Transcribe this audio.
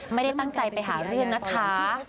ไม่ได้ตั้งใจไปหาเรื่องนะคะ